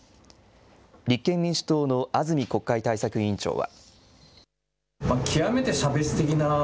立憲民主党の安住国会対策委員長は。